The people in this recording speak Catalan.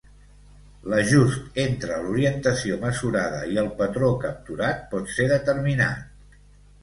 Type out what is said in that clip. L'"ajust" entre l'orientació mesurada i el patró capturat pot ser determinat.